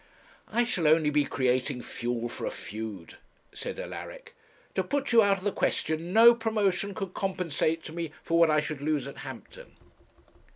'I shall only be creating fuel for a feud,' said Alaric. 'To put you out of the question, no promotion could compensate to me for what I should lose at Hampton.'